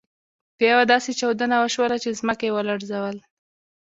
بیا یوه داسې چاودنه وشول چې ځمکه يې ولړزول.